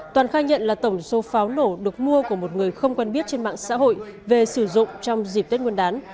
toàn khai nhận là tổng số pháo nổ được mua của một người không quen biết trên mạng xã hội về sử dụng trong dịp tết nguyên đán